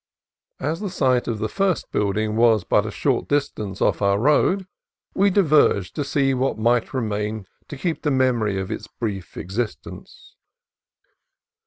As the site of the first building was but a short distance off our road, we diverged to see what might remain to keep the memory of its brief existence.